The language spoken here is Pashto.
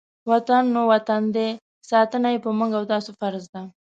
وطن خو نو وطن دی، ساتنه یې په موږ او تاسې فرض ده.